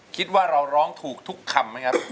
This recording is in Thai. คิดว่าเราร้องถูกทุกคำไหมครับ